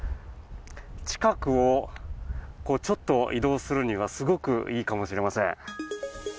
近くをちょっと移動するにはすごくいいかもしれません。